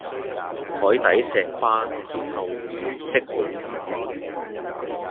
海底石班謁後語即好瘀